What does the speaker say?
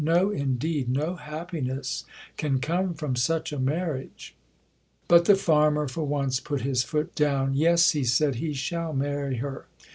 No, indeed; no happiness can come from such a marriage!" But the farmer for once put his foot down. "Yes," he said, "he shall marry her.